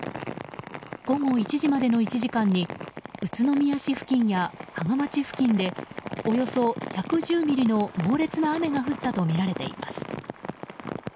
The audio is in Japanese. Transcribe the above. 午後１時までの１時間に宇都宮市付近や芳賀町付近でおよそ１１０ミリの猛烈な雨が降ったとみられています。